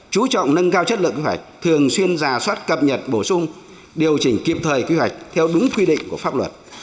chú trọng nâng cao chất lượng quy hoạch thường xuyên giả soát cập nhật bổ sung điều chỉnh kịp thời quy hoạch theo đúng quy định của pháp luật